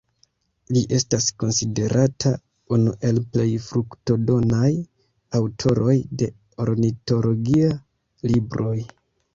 Li estas konsiderata unu el plej fruktodonaj aŭtoroj de ornitologia libroj.